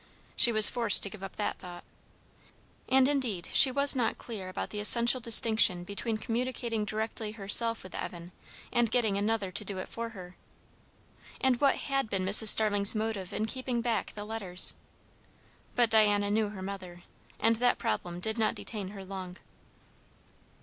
She was forced to give up that thought. And indeed she was not clear about the essential distinction between communicating directly herself with Evan, and getting another to do it for her. And what had been Mrs. Starling's motive in keeping back the letters? But Diana knew her mother, and that problem did not detain her long.